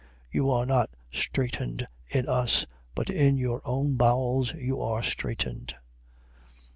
6:12. You are not straitened in us: but in your own bowels you are straitened.